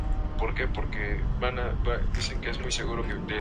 El rodaje de la película tuvo lugar en Irlanda.